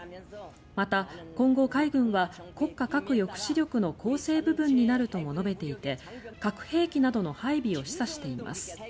また、今後、海軍は国家核抑止力の構成部分になるとも述べていて核兵器などの配備を示唆しています。